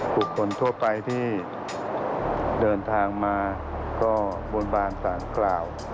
บุคคลทั่วไปที่เดินทางมาก็บนบานสารกล่าว